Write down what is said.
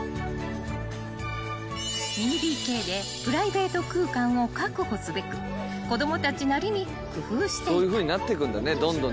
［２ＤＫでプライベート空間を確保すべく子供たちなりに工夫していた］